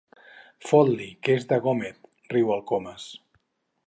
Fot-li, que és de Gómez! —riu el Comas.